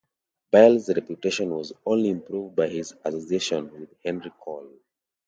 Bell's reputation was only improved by his association with Henry Cole.